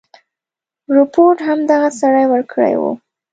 رپوټ هم دغه سړي ورکړی وو.